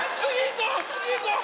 次行こう！